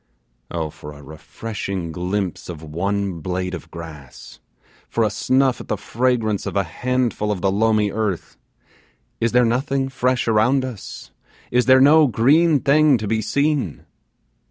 Oh! for a refreshing glimpse of one blade of grass for a snuff at the fragrance of a handful of the loamy earth! Is there nothing fresh around us? Is there no green thing to be seen?